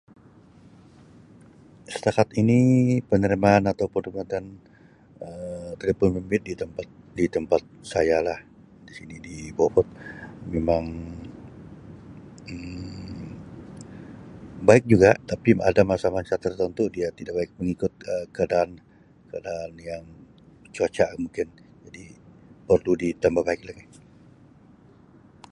Setakat ini penerimaan atau perubatan Um telefon bimbit di tempat di tempat saya lah di sini di Beaufort memang Um baik juga tapi ada masa-masa tertentu dia tidak baik mengikut Um keadaan keadaan yang cuaca mungkin di perlu ditambah baik lagi.